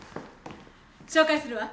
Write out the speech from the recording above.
紹介するわ。